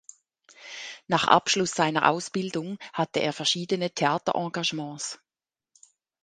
Nach Abschluss seiner Ausbildung hatte er verschiedene Theaterengagements.